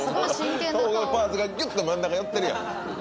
顔のパーツがギュっと真ん中寄ってるやん。